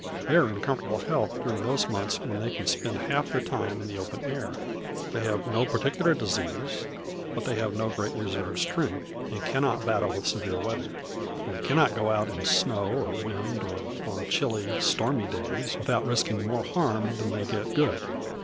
They are in comfortable health during those months when they can spend half their time in the open air. They have no particular disease; but they have no great reserved strength, and cannot battle with severe weather. They cannot go out in snow or wind, or on chilly, stormy days, without risking more harm than they get good.